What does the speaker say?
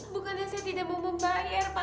bukannya saya tidak mau membayar pak